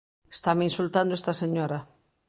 Estame insultando esta señora.